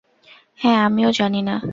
হ্যাঁ, আমিও জানি না।